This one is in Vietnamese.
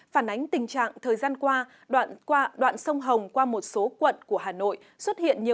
phản ánh tình trạng thời gian qua đoạn sông hồng qua một số quận của hà nội xuất hiện nhiều